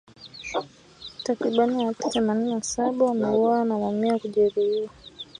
Takribani watu themanini na saba wameuawa na mamia kujeruhiwa .